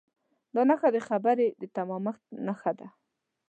دا نښه د خبرې د تمامښت نښه ده.